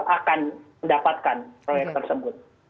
akan mendapatkan proyek tersebut